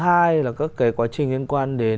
thứ bốn là các cái quá trình liên quan đến